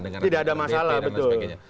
tidak ada masalah betul